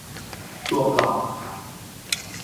ตัวปลอมปะครับ